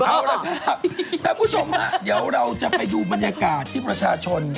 แล้วคุณผู้ชมนะเดี๋ยวเราจะไปดูบรรยากาศที่ประชาชน